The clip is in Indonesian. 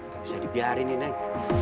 ga bisa dibiarin nih neng